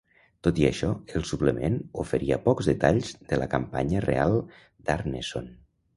Tot i això, el suplement oferia pocs detalls de la campanya real d'Arneson.